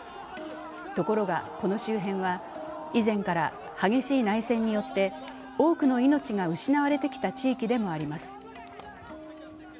ところがこの周辺は以前から激しい内戦によって多くの命が失われてきた地域でもあります。